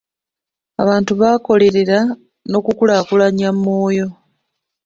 Abantu bakolerera nkukulaakulana ya Moyo.